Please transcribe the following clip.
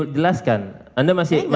jelas kan anda masih ingat kan